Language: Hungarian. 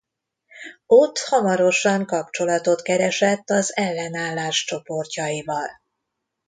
Ott hamarosan kapcsolatot keresett az ellenállás csoportjaival.